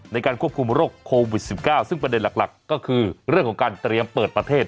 ในการควบคุมโรคโควิด๑๙ซึ่งประเด็นหลักก็คือเรื่องของการเตรียมเปิดประเทศ